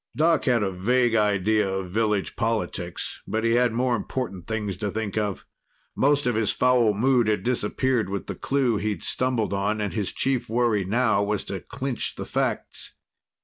Doc had a vague idea of village politics, but he had more important things to think of. Most of his foul mood had disappeared with the clue he'd stumbled on, and his chief worry now was to clinch the facts.